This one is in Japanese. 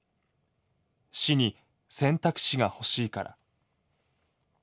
『死』に選択肢が欲しいから。